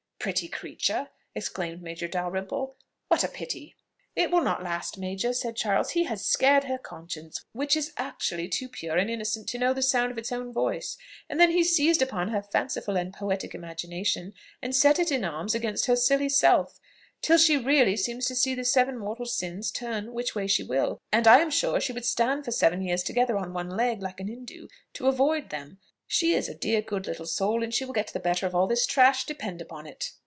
"Pretty creature!" exclaimed Major Dalrymple; "what a pity!" "It will not last, major," said Charles. "He has scared her conscience, which is actually too pure and innocent to know the sound of its own voice; and then he seized upon her fanciful and poetic imagination, and set it in arms against her silly self, till she really seems to see the seven mortal sins, turn which way she will; and I am sure she would stand for seven years together on one leg, like an Hindoo, to avoid them. She is a dear good little soul, and she will get the better of all this trash, depend upon it."